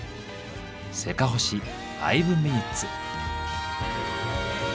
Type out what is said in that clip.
「せかほし５ｍｉｎ．」。